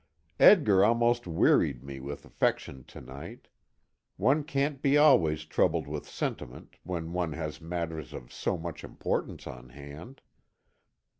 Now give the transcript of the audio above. Edgar almost wearied me with affection to night. One can't be always troubled with sentiment, when one has matters of so much importance on hand.